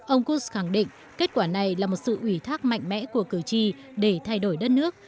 ông kos khẳng định kết quả này là một sự ủy thác mạnh mẽ của cử tri để thay đổi đất nước